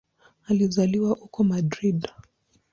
Alizaliwa huko Madrid.